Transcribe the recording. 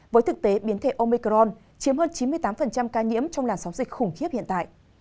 với thực tế biến thể omicron chiếm hơn chín mươi tám ca nhiễm trong làn sóng dịch khủng khiếp hiện tại